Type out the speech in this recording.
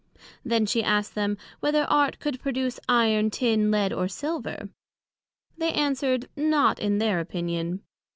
Then she asked them, Whether Art could produce Iron, Tin, Lead, or Silver? They answered, Not, in their opinion.